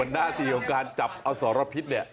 หน้าที่ของการจับอสรพิษเนี่ย